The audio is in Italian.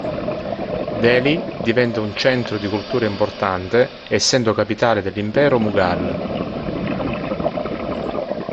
Delhi diventa un centro di cultura importante essendo capitale dell'Impero Mughal.